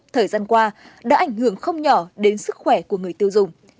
thời gian qua đã ảnh hưởng không nhỏ đến sức khỏe của người tiêu dùng